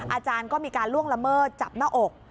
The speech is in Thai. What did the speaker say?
อาจารย์ก็มีการล่วงละเมิดจับหน้าอก